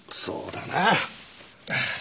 そうだな。